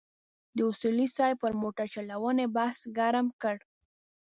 د اصولي صیب پر موټرچلونې بحث ګرم کړ.